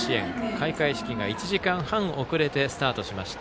開会式が１時間半遅れてスタートしました。